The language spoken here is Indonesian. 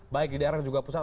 baik di daerah juga pusat